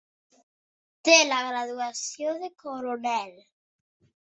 Té la graduació de coronel.